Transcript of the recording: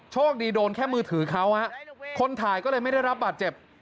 โชคดีโดนแค่มือถือเขาคนถ่ายก็เลยไม่ได้รับบาดเจ็บ